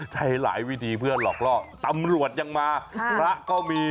ใช้หลายวิธีเพื่อหลอกล่อตำรวจยังมาพระก็มี